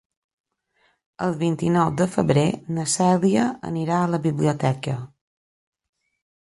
El vint-i-nou de febrer na Cèlia anirà a la biblioteca.